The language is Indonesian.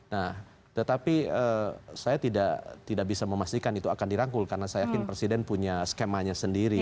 nah tetapi saya tidak bisa memastikan itu akan dirangkul karena saya yakin presiden punya skemanya sendiri